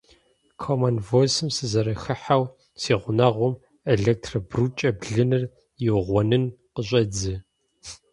Комон Войсым сызэрыхыхьэу, си гъунэгъум электробрукӏэ блыныр иугъуэнын къыщӏедзэ!